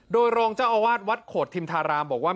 โดยรองเจ้าอาวาสวัดโขดทิมธารามบอกว่า